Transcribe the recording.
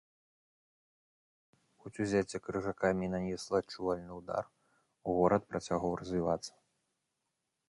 Хоць узяцце крыжакамі і нанесла адчувальны ўдар, горад працягваў развівацца.